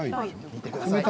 見てください。